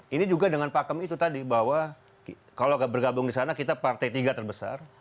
ini juga dengan pakem itu tadi bahwa kalau bergabung di sana kita partai tiga terbesar